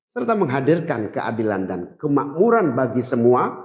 serta menghadirkan keadilan dan kemakmuran bagi semua